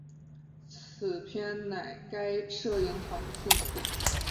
此片乃该摄影场的处女作。